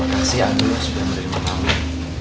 terima kasih anu sudah menerima maaf